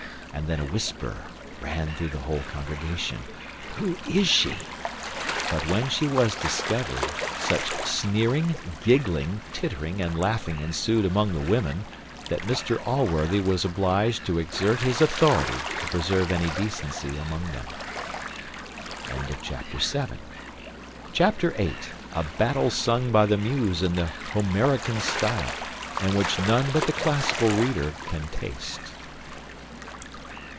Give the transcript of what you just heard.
And then a whisper ran through the whole congregation, "Who is she?" but when she was discovered, such sneering, gigling, tittering, and laughing ensued among the women, that Mr Allworthy was obliged to exert his authority to preserve any decency among them. Chapter viii. A battle sung by the muse in the Homerican style, and which none but the classical reader can taste.